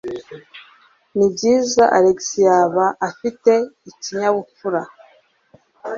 Nibyiza, Alex yaba afite ikinyabupfura.